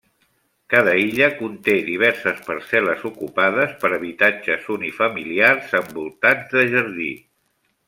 Cada illa conté diverses parcel·les ocupades per habitatges unifamiliars envoltats de jardí.